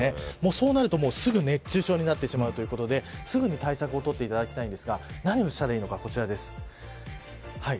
そうなるとすぐ熱中症になってしまうということですぐに対策を取っていただきたいんですが何をしたらいいかこちらです。